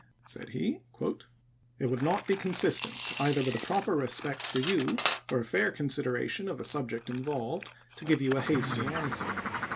Said he :" It would not be consistent, either with a proper respect for you or a fair consideration of the subject involved, to give you a hasty answer.